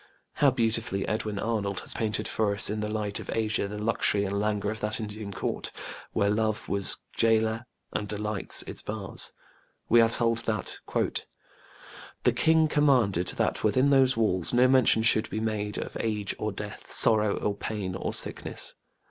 How beautifully Edwin Arnold has painted for us in The Light of Asia the luxury and languor of that Indian Court, "where love was gaoler and delights its bars". We are told that: The king commanded that within those walls No mention should be made of age or death Sorrow or pain, or sickness